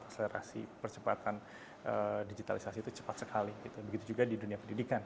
dan akselerasi percepatan digitalisasi itu cepat sekali begitu juga di dunia pendidikan